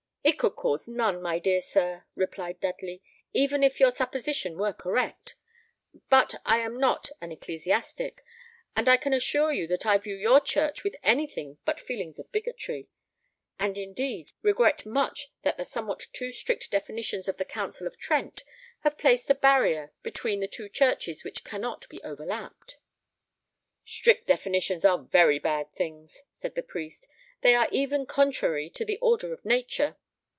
"It could cause none, my dear sir," replied Dudley, "even if your supposition were correct; but I am not an ecclesiastic, and I can assure you I view your church with anything but feelings of bigotry; and, indeed, regret much that the somewhat too strict definitions of the Council of Trent have placed a barrier between the two churches which cannot be overleaped." "Strict definitions are very bad things," said the priest; "they are even contrary to the order of nature.